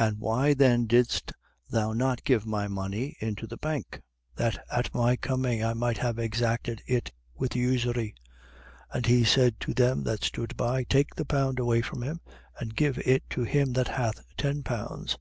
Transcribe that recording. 19:23. And why then didst thou not give my money into the bank, that at my coming I might have exacted it with usury? 19:24. And he said to them that stood by: Take the pound away from him and give it to him that hath ten pounds. 19:25.